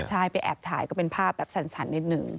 ใช่ไปแอบถ่ายก็เป็นภาพแบบสั่นนิดนึง